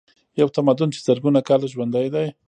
یو تمدن چې زرګونه کاله ژوندی دی.